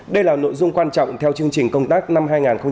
đây là nội dung quan trọng theo chương trình công tác năm hai nghìn hai mươi